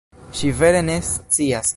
Ŝi vere ne scias.